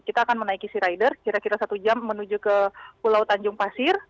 kita akan menaiki sea rider kira kira satu jam menuju ke pulau tanjung pasir